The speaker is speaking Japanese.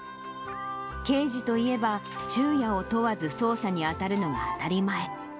刑事といえば、昼夜を問わず捜査に当たるのが当たり前。